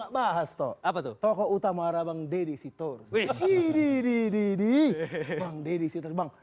bahas toko utama arabang deddy situr